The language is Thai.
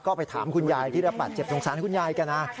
ก็ไปถามคุณยายที่รับบาดเจ็บสงสารคุณยายแกนะ